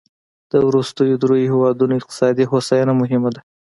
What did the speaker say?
د وروستیو دریوو هېوادونو اقتصادي هوساینه مهمه ده.